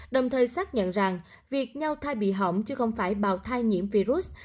đồng thời xác nhận rằng việc nhau thai bị hỏng chứ không phải bào thai nhiễm virus